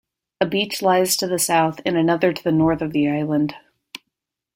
A beach lies to the south, and another to the north of the island.